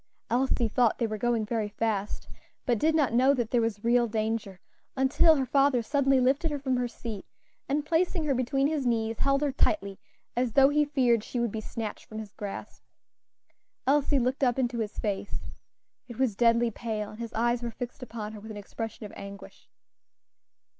Elsie thought they were going very fast, but did not know that there was real danger until her father suddenly lifted her from her seat, and placing her between his knees, held her tightly, as though he feared she would be snatched from his grasp. Elsie looked up into his face. It was deadly pale, and his eyes were fixed upon her with an expression of anguish.